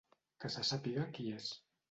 Que se sàpiga qui és.